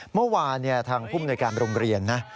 เมื่อวานทางผู้มนวยการโรงเรียนนะ